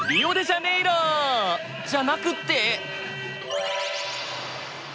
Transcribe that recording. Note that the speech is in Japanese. じゃなくって。